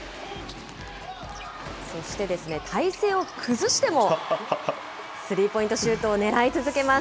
そしてですね、体勢を崩しても、スリーポイントシュートを狙い続けます。